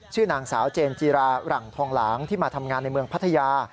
ชื่อนางสาวเจนจีราหลังทองหลางที่มาทำงานในเมืองพัทยา